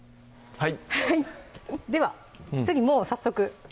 はい